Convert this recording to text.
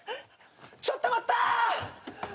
ちょっと待った！あっ？